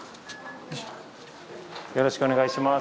よろしくお願いします。